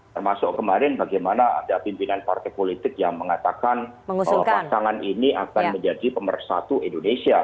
termasuk kemarin bagaimana ada pimpinan partai politik yang mengatakan bahwa pasangan ini akan menjadi pemersatu indonesia